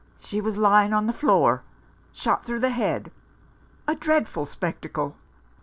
She was lying on the floor, shot through the head, a dreadful spectacle."